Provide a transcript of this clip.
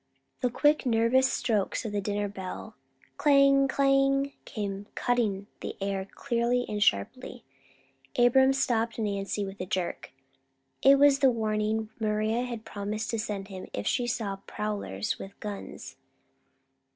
The quick nervous strokes of the dinner bell, "Clang! Clang!" came cutting the air clearly and sharply. Abram stopped Nancy with a jerk. It was the warning Maria had promised to send him if she saw prowlers with guns.